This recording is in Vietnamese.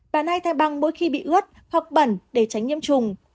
và hay thay băng mỗi khi bị ướt hoặc bẩn để tránh nhiễm trùng